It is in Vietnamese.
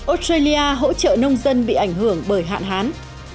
australia hỗ trợ nông dân bị ảnh hưởng bởi hạn hán